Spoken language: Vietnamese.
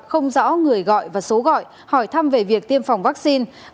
không rõ người gọi và số gọi hỏi thăm về việc tiêm phòng vaccine